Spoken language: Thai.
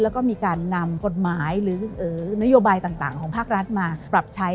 แล้วก็มีการนำกฎหมายหรือนโยบายต่างของภาครัฐมาปรับใช้